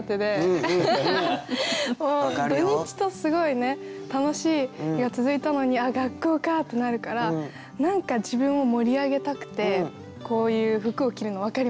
土日とすごい楽しい日が続いたのに「あっ学校か」ってなるから何か自分を盛り上げたくてこういう服を着るの分かります。